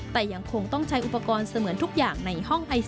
แต่ยังคงต้องใช้อุปกรณ์เสมือนทุกอย่างในห้องไอซิส